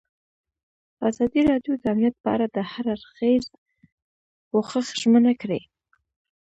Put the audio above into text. ازادي راډیو د امنیت په اړه د هر اړخیز پوښښ ژمنه کړې.